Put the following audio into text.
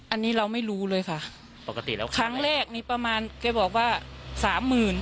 อันนี้เราไม่รู้เลยค่ะครั้งแรกนี้ประมาณเคยบอกว่า๓หมื่น